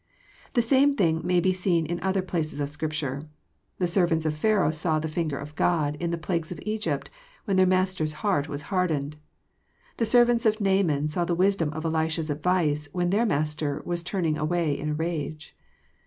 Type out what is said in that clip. The same thing may be seen in other places of Scripture. The servants of Pharaoh saw " the finger of God *' in the plagues of Egypt, when their master's heart was hardened. The servants of Naaman saw the wisdom of Elisha's advice, when theii* master was turning away in a rage.